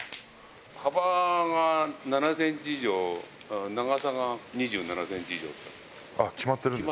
幅が７センチ以上、長さが２７センチ以上で。